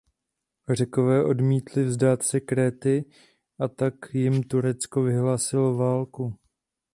Řekové odmítli vzdát se Kréty a tak jim Turecko vyhlásilo válku.